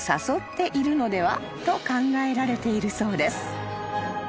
［と考えられているそうです］